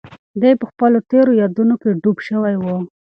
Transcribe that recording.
دی په خپلو تېرو یادونو کې ډوب شوی و.